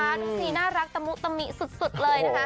หนุ่มสีน่ารักตะหมุตะหมิสุดเลยนะคะ